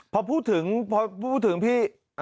พอพูดถึงพอพูดถึงพี่